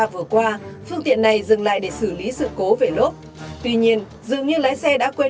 vừa qua phương tiện này dừng lại để xử lý sự cố về lốp tuy nhiên dường như lái xe đã quên